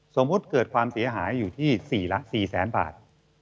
สมมุติเกิดความเสียหายอยู่ที่๔แสนบาท